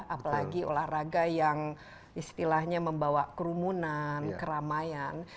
apalagi olahraga yang istilahnya membawa kerumunan keramaian